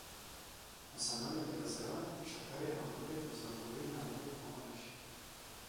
انسانانو کې د زړه، شکرې او نورې د زړبوډۍ ناروغۍ کمولی شي